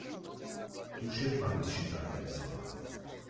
ტუშე პარიზში გარდაიცვალა.